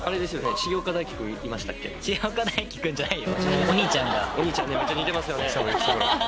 重岡大毅君じゃないよ！